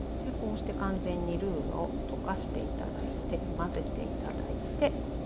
こうして完全にルーを溶かして頂いて混ぜて頂いて。